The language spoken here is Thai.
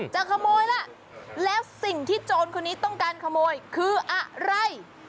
จะขโมยล่ะแล้วสิ่งที่โจรคนนี้ต้องการขโมยคืออะไร